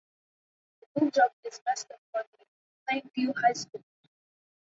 The Bulldog is the mascot for the Plainview High School.